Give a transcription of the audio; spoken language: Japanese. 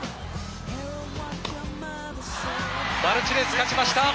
マルチネス勝ちました。